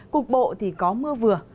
cục bộ thì có mưa vừa